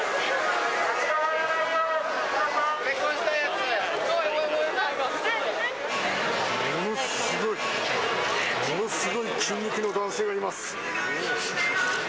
ものすごい、ものすごい筋肉の男性がいます。